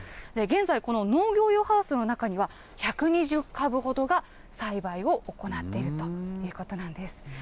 現在、この農業用ハウスの中には、１２０株ほどが栽培を行っているということなんです。